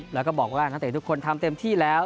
แล้วก็บอกว่านักเตะทุกคนทำเต็มที่แล้ว